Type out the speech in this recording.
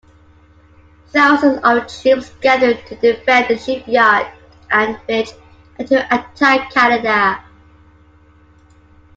Thousands of troops gathered to defend the shipyard and village, and to attack Canada.